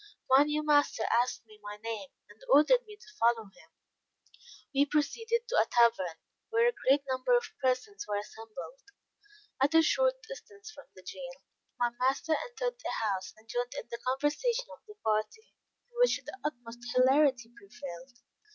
My new master asked me my name, and ordered me to follow him. We proceeded to a tavern, where a great number of persons were assembled, at a short distance from the jail. My master entered the house, and joined in the conversation of the party, in which the utmost hilarity prevailed.